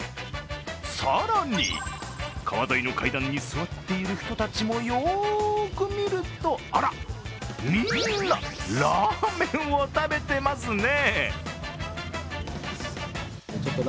更に川沿いの階段に座っている人たちもよーく見ると、あらみんなラーメンを食べてますね。